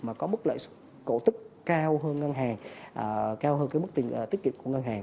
mà có mức lợi cổ tức cao hơn ngân hàng cao hơn cái mức tiền tích kịp của ngân hàng